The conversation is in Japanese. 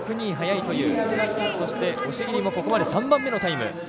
速いというそして押切もここまでで３番目のタイム。